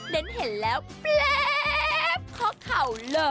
เดินเห็นแล้วเปลี่ยบเขาเข่าเหรอ